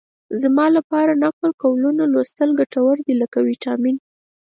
زما لپاره د نقل قولونو لوستل ګټور دي لکه ویټامین.